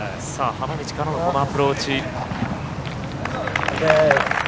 花道からのこのアプローチ。